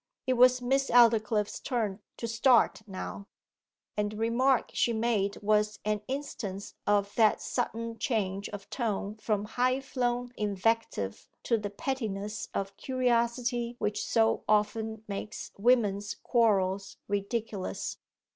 It was Miss Aldclyffe's turn to start now; and the remark she made was an instance of that sudden change of tone from high flown invective to the pettiness of curiosity which so often makes women's quarrels ridiculous.